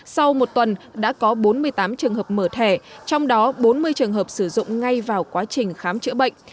sau một tuần đã có bốn mươi tám trường hợp mở thẻ trong đó bốn mươi trường hợp sử dụng ngay vào quá trình khám chữa bệnh